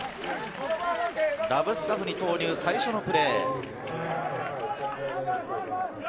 ラブスカフニ投入、最初のプレー。